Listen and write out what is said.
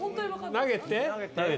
投げて？